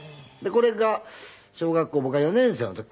これが小学校僕が４年生の時かな。